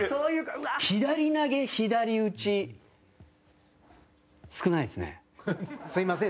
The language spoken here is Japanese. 左投げ左打ち、少ないですね。